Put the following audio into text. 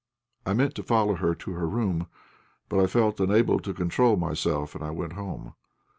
I meant to follow her to her room; but I felt unable to control myself, and I went home.